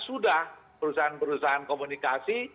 sudah perusahaan perusahaan komunikasi